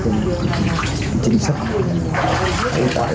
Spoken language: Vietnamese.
tính toán cái chính sách của khu vực này